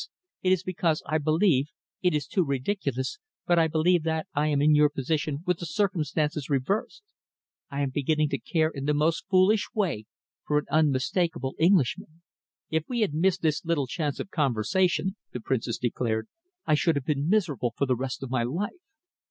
It is because I believe it is too ridiculous but I believe that I am in your position with the circumstances reversed. I am beginning to care in the most foolish way for an unmistakable Englishman." "If we had missed this little chance of conversation," the Princess declared, "I should have been miserable for the rest of my life!